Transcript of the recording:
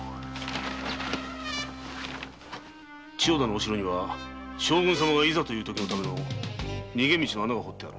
お城には将軍様がいざというときのための逃げ道の穴が掘ってある。